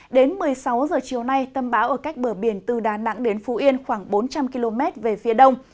đến một mươi sáu h chiều nay tâm báo ở cách bờ biển từ đà nẵng đến phú yên khoảng bốn trăm linh km về phía đông